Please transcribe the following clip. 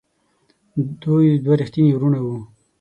دوی دوه ریښتیني وروڼه وو.